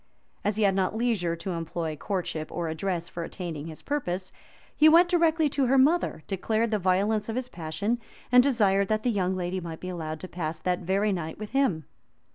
As he had not leisure to employ courtship or address for attaining his purpose, he went directly to her mother, declared the violence of his passion, and desired that the young lady might be allowed to pass that very night with him.